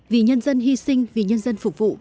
vì nhân dân hy sinh vì nhân dân phục vụ